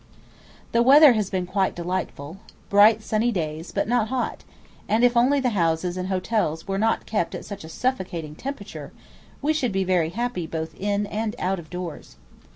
The weather has been quite delightful, bright sunny days but not hot; and if only the houses and hotels were not kept at such a suffocating temperature, we should be very happy both in and out of doors.